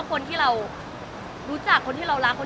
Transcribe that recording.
มันหนีเองก็หนีความมาก่อน